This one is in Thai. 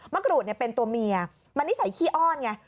กรูดเป็นตัวเมียมันนิสัยขี้อ้อนไง